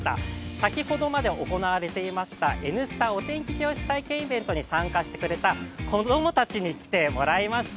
先ほどまで行われていました「Ｎスタ」お天気体験教室に参加してくれた子供たちに来てもらいました。